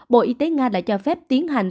bộ y tế nga đã cho phép tiến hành